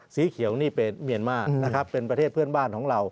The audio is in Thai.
สีเขียวนี่เป็นเมียนมาร์นะครับเป็นประเทศเพื่อนบ้านของเรา